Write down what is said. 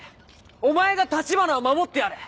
お前が橘を守ってやれ。